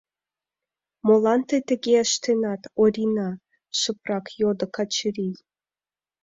— Молан тый тыге ыштенат, Орина? — шыпрак йодо Качырий.